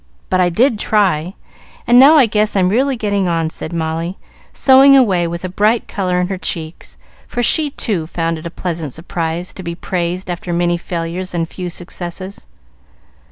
But I did try, and now I guess I'm really getting on," said Molly, sewing away with a bright color in her cheeks, for she, too, found it a pleasant surprise to be praised after many failures and few successes.